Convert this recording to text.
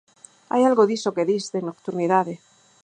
Hai algo diso que dis, de nocturnidade.